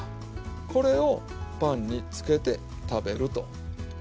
これをパンにつけて食べると。